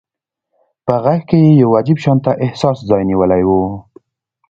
په غږ کې يې يو عجيب شانته احساس ځای نيولی و.